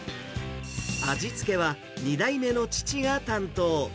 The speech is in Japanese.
味付けは２代目の父が担当。